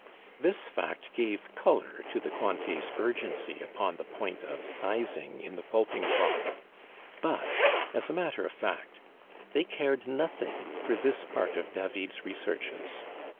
This fact gave color to the Cointet's urgency upon the point of sizing in the pulping trough; but, as a matter of fact, they cared nothing for this part of David's researches.